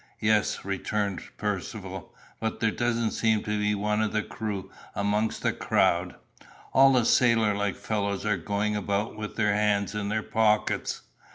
"Yes," returned Percivale; "but there doesn't seem to be one of the crew amongst the crowd. All the sailor like fellows are going about with their hands in their pockets."